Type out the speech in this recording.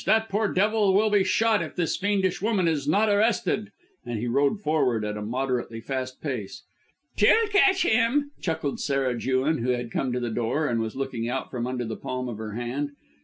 That poor devil will be shot if this fiendish woman is not arrested." And he rode forward at a moderately fast pace. "She'll catch him," chuckled Sarah Jewin, who had come to the door and was looking out from under the palm of her hand.